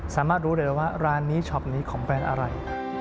สามารถรู้เลยว่าร้านนี้ช็อปนี้ของแบรนด์อะไร